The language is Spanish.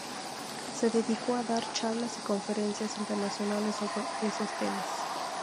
Se dedicó a dar charlas y conferencias internacionales sobre esos temas.